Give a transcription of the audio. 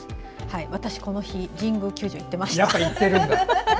私、この日神宮球場にいました。